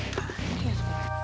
tidak ada alam